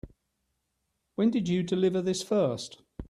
When did you deliver this first?